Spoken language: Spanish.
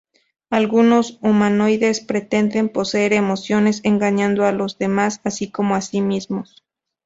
Algunos humanoides pretender poseer emociones, engañando a los demás, así como a sí mismos.